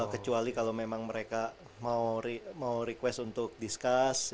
kecuali kalau memang mereka mau request untuk discuss